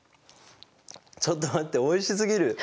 ちょっと待っておいしすぎる。